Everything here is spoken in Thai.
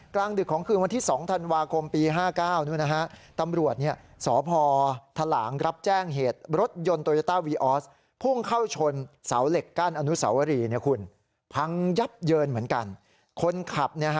กลางดึกของคืนวันที่๒ธันวาคมปี๕๙นู้นนะฮะ